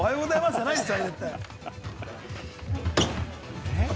じゃないんですよ。